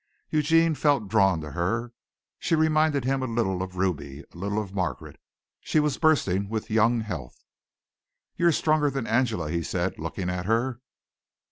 Eugene felt drawn to her. She reminded him a little of Ruby a little of Margaret. She was bursting with young health. "You're stronger than Angela," he said, looking at her.